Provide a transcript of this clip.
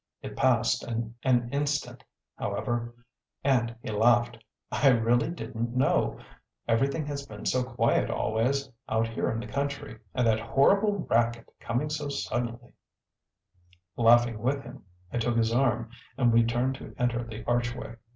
It passed in an instant however, and he laughed. "I really didn't know. Everything has been so quiet always, out here in the country and that horrible racket coming so suddenly " Laughing with him, I took his arm and we turned to enter the archway.